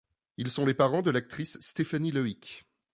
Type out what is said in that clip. Ils sont les parents de l'actrice Stéphanie Loïk.